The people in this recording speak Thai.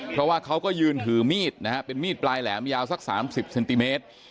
เพราะว่าเขาก็ยืนถือมีดนะฮะเป็นมีดปลายแหลมยาวสัก๓๐เซนติเมตร